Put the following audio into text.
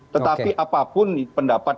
tetapi apapun pendapat